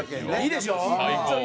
いいでしょ？